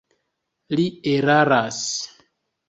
Li eraras.